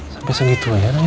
sampai segitu aja nangisnya